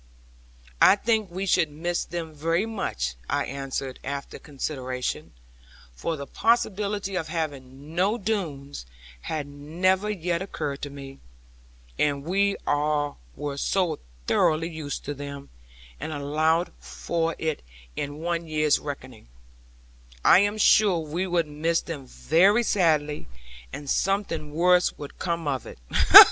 'I think we should miss them very much,' I answered after consideration; for the possibility of having no Doones had never yet occurred to me, and we all were so thoroughly used to them, and allowed for it in our year's reckoning; 'I am sure we should miss them very sadly; and something worse would come of it.'